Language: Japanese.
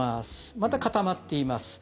また固まっています。